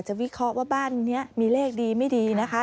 วิเคราะห์ว่าบ้านนี้มีเลขดีไม่ดีนะคะ